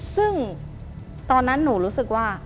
ซึ่งตอนนั้นหนูรู้สึกว่า